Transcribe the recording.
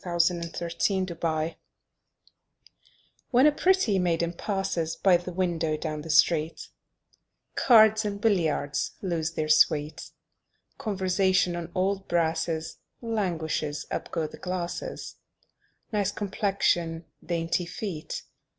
Y Z At the Club When a pretty maiden passes By the window down the street, Cards and billiards lose their sweet; Conversation on old brasses Languishes; up go the glasses: "Nice complexion!" "Dainty feet!"